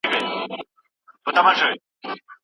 له لارښود سره باید د ځوان څېړونکي لپاره کافي وخت وي.